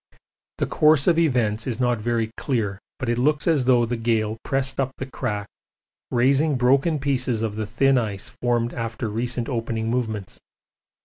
The course of events is not very clear, but it looks as though the gale pressed up the crack, raising broken pieces of the thin ice formed after recent opening movements.